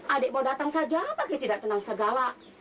adik mau datang saja apalagi tidak tenang segala